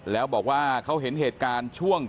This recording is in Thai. แล้วบอกว่าเขาเห็นเหตุการณ์ช่วง